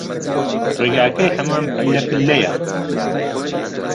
ڕێگاکەی حەمام پللە پللەیە